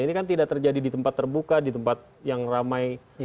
ini kan tidak terjadi di tempat terbuka di tempat yang ramai